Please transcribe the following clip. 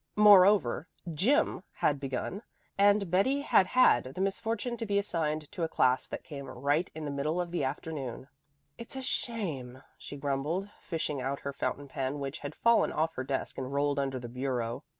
Moreover, "gym" had begun and Betty had had the misfortune to be assigned to a class that came right in the middle of the afternoon. "It's a shame," she grumbled, fishing out her fountain pen which had fallen off her desk and rolled under the bureau.